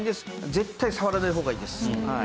絶対触らない方がいいです。